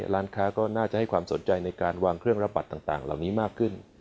ร้านค้าก็น่าจะให้ความสนใจในการวางเครื่องรับบัตรต่างเหล่านี้มากขึ้น